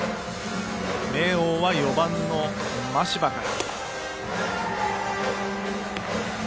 明桜は４番の真柴から。